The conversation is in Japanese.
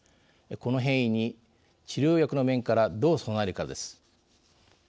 この変異に治療薬の面からどう備えるかです。